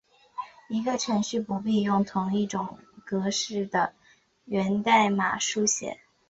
一个程序不必用同一种格式的源代码书写。